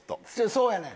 そうやねん。